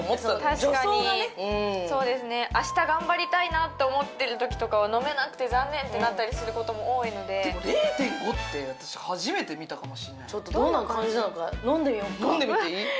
確かにそうですねあした頑張りたいなと思ってるときとかは飲めなくて残念ってなったりすることも多いのででも０．５って私初めて見たかもしんないどんな感じなのか飲んでみよっか飲んでみていい？